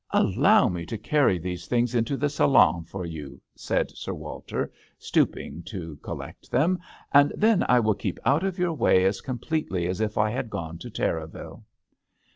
"Allow me to carry these things into the salon for you," said Sir Walter, stooping to col lect them, ''and then I will keep out of your way as com pletely as if I had gone to Terraville."